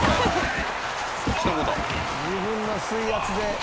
「自分の水圧で」